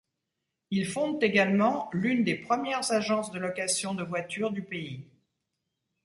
Ils fondent également l'un des premières agences de location de voitures du pays.